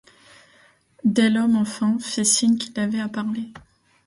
Delhomme, enfin, fit signe qu’il avait à parler.